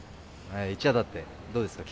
一夜たってどうですか？